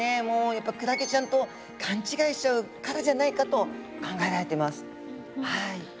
もうやっぱクラゲちゃんと勘違いしちゃうからじゃないかと考えられてます。